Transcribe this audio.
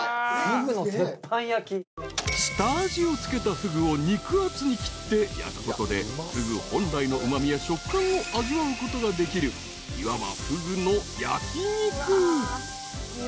［下味を付けたふぐを肉厚に切って焼くことでふぐ本来のうま味や食感を味わうことができるいわば］